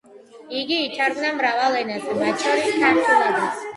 იგი ითარგმნა მრავალ ენაზე, მათ შორის ქართულადაც.